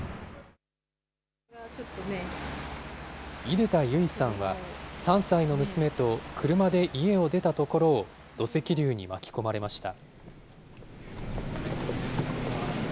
出田唯さんは、３歳の娘と車で家を出たところを土石流に巻き込まれました。